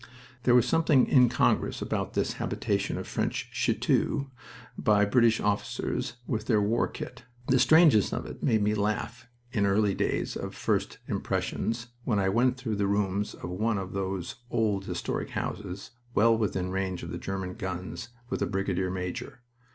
There was something incongruous about this habitation of French chiteaux by British officers with their war kit. The strangeness of it made me laugh in early days of first impressions, when I went through the rooms of one of those old historic houses, well within range of the German guns with a brigade major.